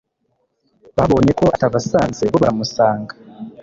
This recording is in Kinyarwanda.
Babonye ko atabasanze, bo baramusanga.